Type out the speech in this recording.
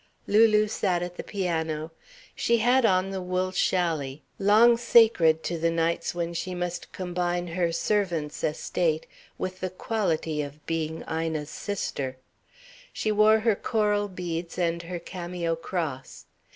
Lulu sat at the piano. She had on the wool chally, long sacred to the nights when she must combine her servant's estate with the quality of being Ina's sister. She wore her coral beads and her cameo cross.